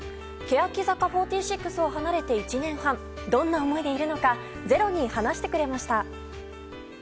欅坂４６を離れて１年半どんな思いでいるのか「ｚｅｒｏ」に話してくれました。